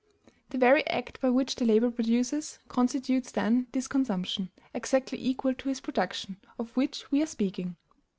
The very act by which the laborer produces constitutes, then, this consumption, exactly equal to his production, of which we are speaking.